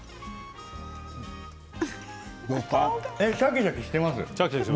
シャキシャキしてます。